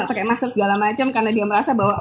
tidak pakai master segala macam karena dia merasa bahwa